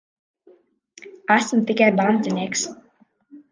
Esmu tikai bandinieks.